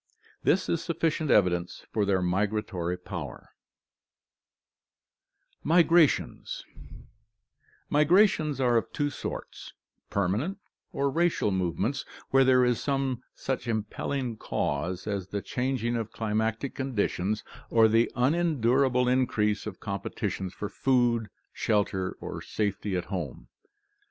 This is sufficient evidence fcfr their migratory powers. 62 ORGANIC EVOLUTION Migrations Migrations are of two sorts: permanent or racial movements where there is some such impelling cause as the changing of climatic conditions, or the unendurable increase of competition for food, shelter, or safety at home.